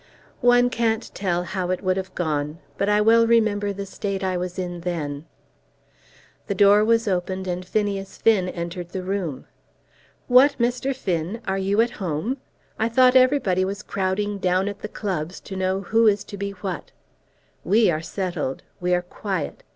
"One can't tell how it would have gone, but I well remember the state I was in then." The door was opened and Phineas Finn entered the room. "What, Mr. Finn, are you at home? I thought everybody was crowding down at the clubs, to know who is to be what. We are settled. We are quiet.